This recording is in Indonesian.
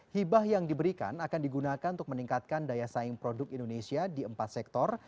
hibah yang diberikan akan digunakan untuk meningkatkan daya saing produk indonesia di empat sektor